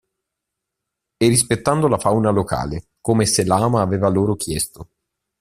E rispettando la fauna locale, come Selàma aveva loro chiesto.